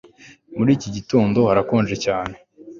Muri iki gitondo harakonje cyane